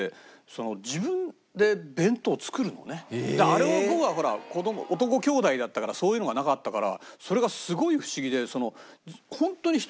あれを僕はほら男兄弟だったからそういうのがなかったからそれがすごい不思議で。